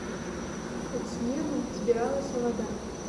Пад снегам збіралася вада.